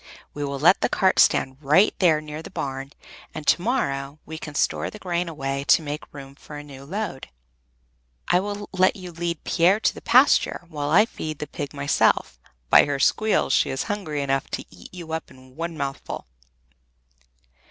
We will let the cart stand right there near the barn, and to morrow we can store the grain away to make room for a new load. I will let you lead Pier to the pasture, while I feed the pig myself; by her squeals she is hungry enough to eat you up in one mouthful."